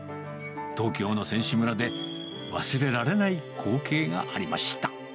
東京の選手村で、忘れられない光景がありました。